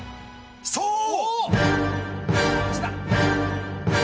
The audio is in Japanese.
そう！